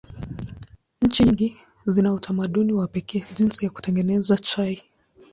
Nchi nyingi zina utamaduni wa pekee jinsi ya kutengeneza chai.